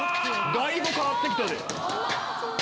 だいぶ変わって来たで。